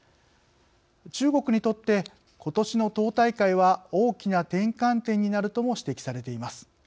中国にとって、ことしの党大会は大きな転換点になるとも指摘されています。